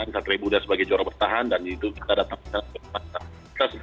satria muda sebagai juara pertahanan dan itu kita datang sebagai penantang